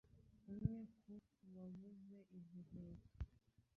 Umwe mu baguze izi nkweto